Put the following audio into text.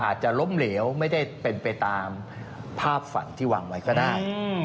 อาจจะล้มเหลวไม่ได้เป็นไปตามภาพฝันที่วางไว้ก็ได้